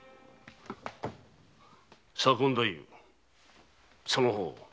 左近大夫その方